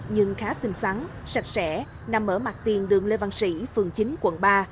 nhưng khá xinh xắn sạch sẽ nằm ở mặt tiền đường lê văn sĩ phường chín quận ba